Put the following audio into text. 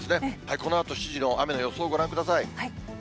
このあと７時の雨の予想ご覧ください。